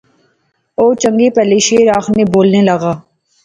او چنگے بھلے شعر آخنے بولنا لاغا